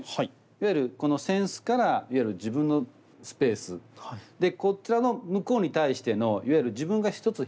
いわゆるこの扇子からいわゆる自分のスペースでこちらの向こうに対してのいわゆる自分がひとつ